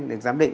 để giám định